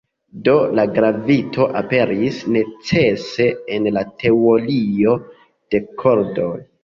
Do, la gravito aperis "necese" en la teorio de kordoj.